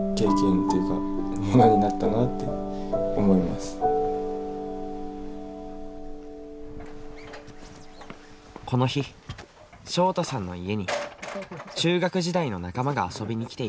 まあこの日昇汰さんの家に中学時代の仲間が遊びに来ていた。